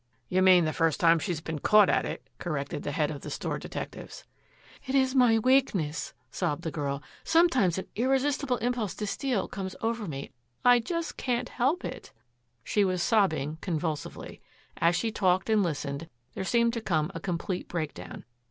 "You mean the first time she has been caught at it," corrected the head of the store detectives. "It is my weakness," sobbed the girl. "Sometimes an irresistible impulse to steal comes over me. I just can't help it." She was sobbing convulsively. As she talked and listened there seemed to come a complete breakdown.